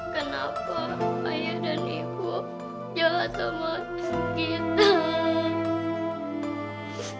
kenapa ayah dan ibu jatuh sama kita